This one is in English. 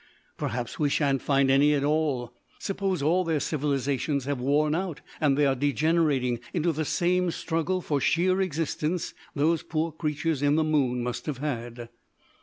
Perhaps we shan't find any at all. Suppose all their civilisations have worn out and they are degenerating into the same struggle for sheer existence those poor creatures in the moon must have had."